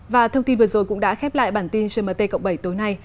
và thông tin vừa rồi cũng đã khép lại bản tin gmt cộng bảy tối nay